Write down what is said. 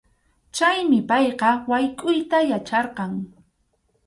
Chaymi payqa waykʼuyta yacharqan.